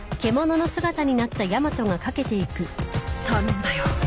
頼んだよ